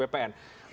bang ray yang jelas